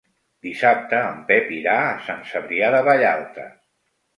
Dissabte en Pep irà a Sant Cebrià de Vallalta.